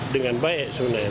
dengan baik sebenarnya